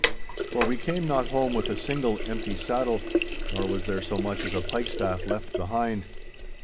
For we came not home with a single empty saddle, nor was there so much as a pike staff left behind.